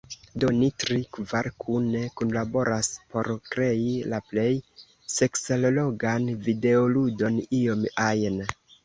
Do ni tri… kvar kune kunlaboras por krei la plej seksallogan videoludon iom ajn.